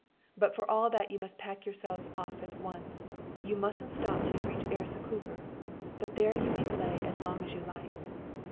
'But for all that you must pack yourselves off at once. You mustn't stop till you reach Ersekuvar, but there you may play as long as you like.'